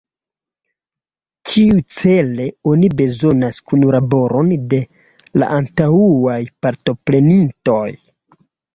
Kiucele oni bezonas kunlaboron de la antaŭaj partoprenintoj?